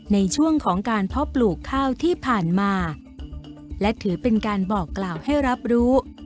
ในช่วงของการเพาะปลูกข้าวที่ผ่านมาและถือเป็นการบอกกล่าวให้รับรู้